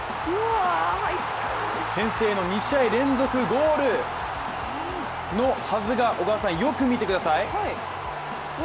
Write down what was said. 先制の２試合連続ゴールのはずが小川さん、よく見てください。